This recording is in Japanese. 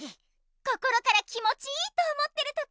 心から気もちいいと思ってる時。